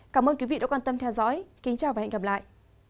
cảm ơn quý vị đã quan tâm theo dõi kính chào và hẹn gặp lại